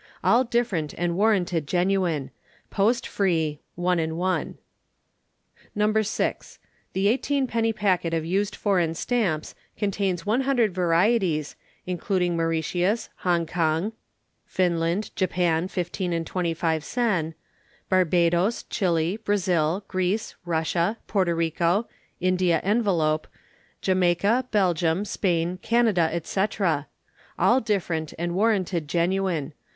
All different and warranted genuine. Post free, 1/1. No. 6. The Eighteenpenny Packet of Used Foreign Stamps contains 100 varieties, including Mauritius, Hong Kong, Finland, Japan 15 and 25 sen, Barbados, Chili, Brazil, Greece, Russia, Porto Rico, India envelope, Jamaica, Belgium, Spain, Canada, &c. All different and warranted genuine.